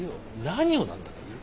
「何を」なんだか言え。